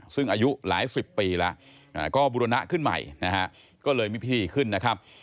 ซึ่งอายุหลายสิบปีแล้วก็บุรณะขึ้นใหม่นะฮะก็เลยมีพิธีขึ้นนะครับ